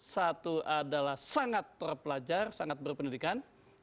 satu adalah sangat terpelajar sangat berpendidikan